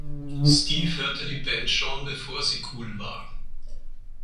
Steve hörte die Band schon, bevor sie cool war.